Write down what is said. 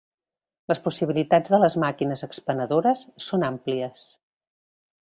Les possibilitats de les màquines expenedores són àmplies.